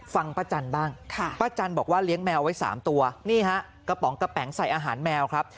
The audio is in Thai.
ฟังป้าจันบ้างป้าจันบอกว่าเลี้ยงแมวไว้๓ตัวนี่ฮะกระป๋องกระแป๋งใส่อาหารแมวครับ